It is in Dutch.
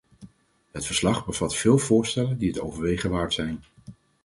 Het verslag bevat veel voorstellen die het overwegen waard zijn.